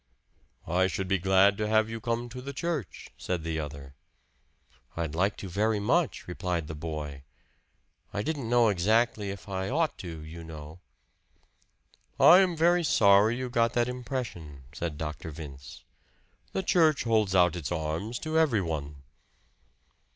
"I should be glad to have you come to the church," said the other. "I'd like to very much," replied the boy. "I didn't know exactly if I ought to, you know." "I am sorry you got that impression," said Dr. Vince. "The church holds out its arms to everyone."